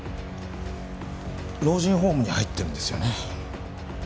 老人ホームに入ってるんですよね？